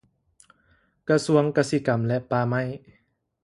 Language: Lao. ກະຊວງກະສິກຳແລະປ່າໄມ້